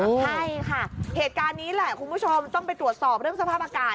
ใช่ค่ะเหตุการณ์นี้แหละคุณผู้ชมต้องไปตรวจสอบเรื่องสภาพอากาศ